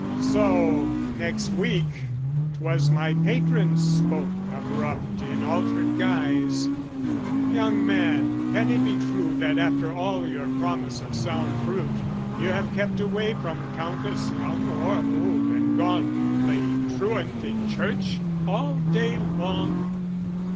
So, next week, 'twas my patron spoke abrupt, In altered guise, "Young man, can it be true "That after all your promise of sound fruit, "You have kept away from Countess young or old "And gone play truant in church all day long?